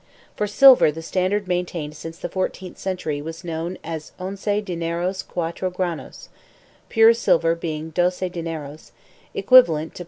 For silver the standard maintained since the fourteenth century was known as once diner os cuatro granos (pure silver being doce dineros) equivalent to